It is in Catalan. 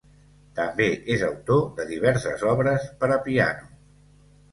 També és autor de diverses obres per a piano.